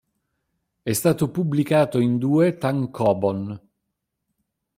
È stato pubblicato in due tankōbon.